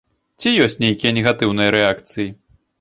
Ці ёсць нейкія негатыўныя рэакцыі?